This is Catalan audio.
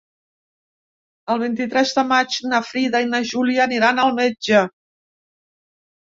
El vint-i-tres de maig na Frida i na Júlia aniran al metge.